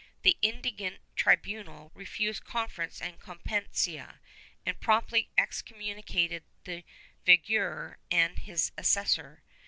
The indignant tribunal refused conference and competencia, and promptly excommunicated the veguer and his assessor.